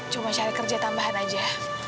cuma cari kerja tambahan aja